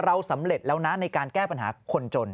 เราสำเร็จแล้วนะในการแก้ปัญหาคนจน